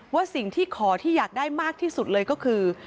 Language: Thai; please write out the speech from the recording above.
ว่าสิ่งที่ขอที่อยากได้มากที่สุดเลยก็คือ